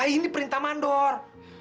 ini perintah mandor